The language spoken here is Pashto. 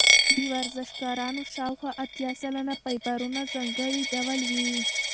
د ورزشکارانو شاوخوا اتیا سلنه فایبرونه ځانګړي ډول وي.